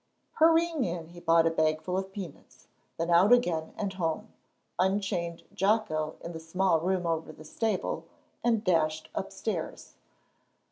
Hurrying in he bought a bagful of peanuts; then out again and home unchained Jocko in the small room over the stable, and dashed upstairs.